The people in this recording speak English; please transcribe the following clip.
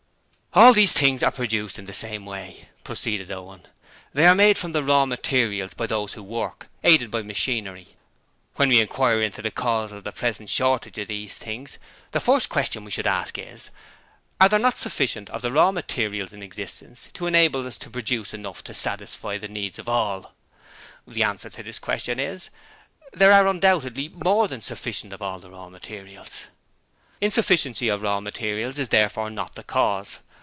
'All these things are produced in the same way,' proceeded Owen. 'They are made from the Raw materials by those who work aided by machinery. When we inquire into the cause of the present shortage of these things, the first question we should ask is Are there not sufficient of the raw materials in existence to enable us to produce enough to satisfy the needs of all? 'The answer to this question is There are undoubtedly more than sufficient of all the raw materials. 'Insufficiency of raw material is therefore not the cause.